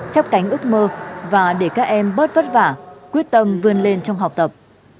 chấp cánh ước mơ và để các em bớt vất vả quyết tâm vươn lên trong học tập